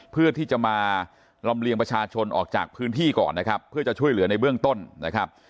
เพื่อที่จะมาลำเลียงประชาชนออกจากพื้นที่ก่อนนะครับเพื่อจะช่วยเหลือในเบื้องต้นนะครับ